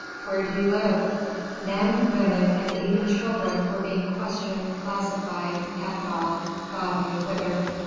"Where do you live?" Men, women and even children were being questioned, classified, packed off, God knew whither.